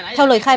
theo lời khai báo